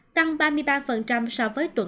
tăng ba mươi ba so với một ca